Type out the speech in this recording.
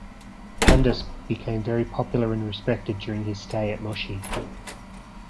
Dundas became very popular and respected during his stay at Moshi.